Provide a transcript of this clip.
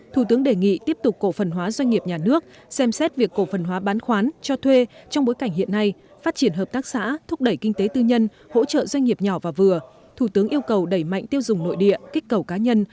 thủ tướng nguyễn xuân phúc đã nhấn mạnh điều này tại phiên họp chính phủ thường kỳ tháng năm chiều nay